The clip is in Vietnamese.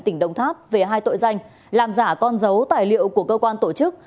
tỉnh đồng tháp về hai tội danh làm giả con dấu tài liệu của cơ quan tổ chức